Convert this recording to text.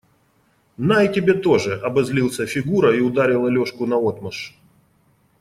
– На и тебе тоже! – обозлился Фигура и ударил Алешку наотмашь.